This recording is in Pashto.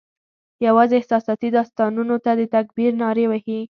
یوازي احساساتي داستانونو ته د تکبیر نارې وهي